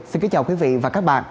xin kính chào quý vị và các bạn